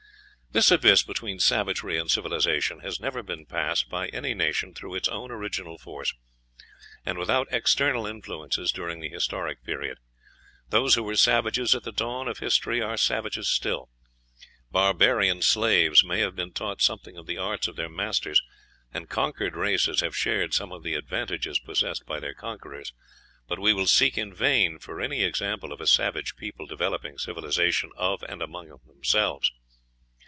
This abyss between savagery and civilization has never been passed by any nation through its own original force, and without external influences, during the Historic Period; those who were savages at the dawn of history are savages still; barbarian slaves may have been taught something of the arts of their masters, and conquered races have shared some of the advantages possessed by their conquerors; but we will seek in vain for any example of a savage people developing civilization of and among themselves.